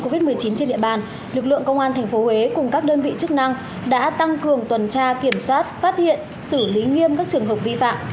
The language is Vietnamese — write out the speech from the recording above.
covid một mươi chín trên địa bàn lực lượng công an tp huế cùng các đơn vị chức năng đã tăng cường tuần tra kiểm soát phát hiện xử lý nghiêm các trường hợp vi phạm